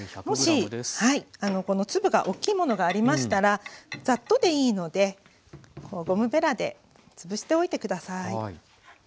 もしこの粒が大きいものがありましたらざっとでいいのでゴムべらでつぶしておいて下さい。